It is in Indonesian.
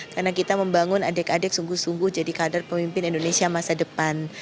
karena kita membangun adik adik sungguh sungguh jadi kader pemimpin indonesia masa depan